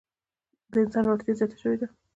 د انسان وړتیا زیاته شوې ده.